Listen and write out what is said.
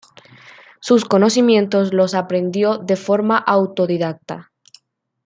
Sus conocimientos los aprendió de forma autodidacta.